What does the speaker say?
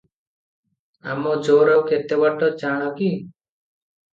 ଆମଜୋର ଆଉ କେତେ ବାଟ ଜାଣ କି?